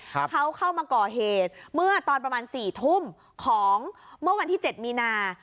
เขาเข้ามาก่อเหตุเมื่อตอนประมาณสี่ทุ่มของเมื่อวันที่เจ็ดมีนา